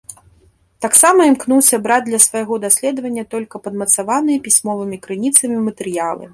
Таксама імкнуўся браць для свайго даследавання толькі падмацаваныя пісьмовымі крыніцамі матэрыялы.